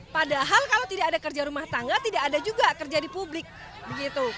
padahal kalau tidak ada kerja rumah tangga tidak ada juga kerja di publik begitu